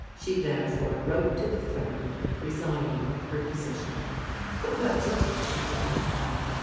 She therefore wrote to the firm resigning her position. But what to do she did not know.